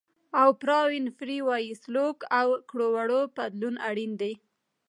اوپرا وینفري وایي سلوک او کړو وړو بدلون اړین دی.